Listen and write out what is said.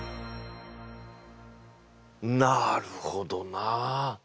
なるほどな。